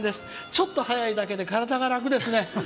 ちょっと早いだけで体が楽ですね。